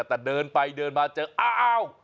แต่เดินไปเดินมาเจออ้าว